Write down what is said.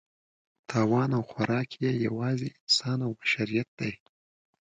تاوان او خوراک یې یوازې انسان او بشریت دی.